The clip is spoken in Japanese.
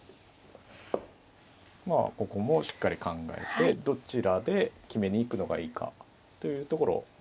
ここもしっかり考えてどちらで決めに行くのがいいかというところ。